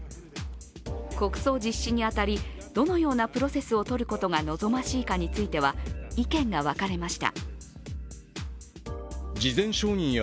国葬実施に当たり、どのようなプロセスをとることが望ましいかについては意見が分かれました。